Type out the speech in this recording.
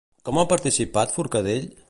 Com ha participat Forcadell?